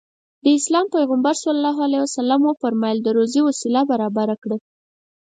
د اسلام پيغمبر ص وفرمايل د روزي وسيله برابره کړه.